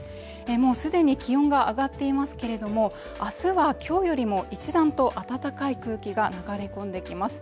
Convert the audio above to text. もうすでに気温が上がっていますけれどもあすはきょうよりも一段と暖かい空気が流れ込んできます